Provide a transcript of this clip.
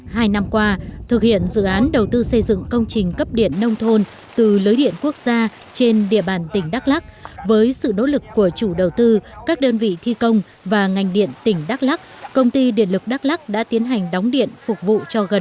hai năm qua thực hiện dự án đầu tư xây dựng công trình cấp điện nông thôn từ lưới điện quốc gia trên địa bàn tỉnh đắk lắc với sự nỗ lực của chủ đầu tư các đơn vị thi công và ngành điện tỉnh đắk lắc công ty điện lực đắk lắc đã tiến hành đóng điện phục vụ cho gần